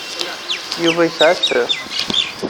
Yuba yesɛa sser.